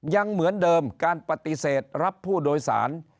ยังเหมือนเดิมการปฏิเสธรับผู้โดยสาร